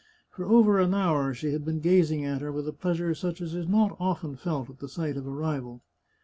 For over an hour she had been gazing at her with a pleasure such as is not often felt at the sight of a rival.